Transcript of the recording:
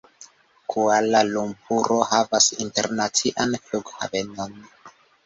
Kuala-Lumpuro havas internacian flughavenon.